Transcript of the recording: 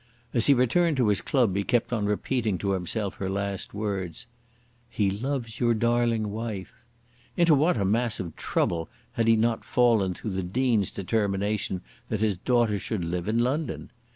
As he returned to his club he kept on repeating to himself her last words; "He loves your darling wife." Into what a mass of trouble had he not fallen through the Dean's determination that his daughter should live in London!